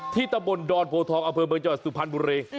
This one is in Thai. ที่ตะบนดอนโพทองอเบิร์นจังหวัดสุพรรณบุรี